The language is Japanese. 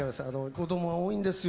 こどもが多いんですよ。